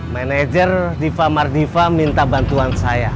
manager diva mardiva minta bantuan saya